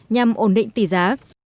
nhằm ổn định tỷ giá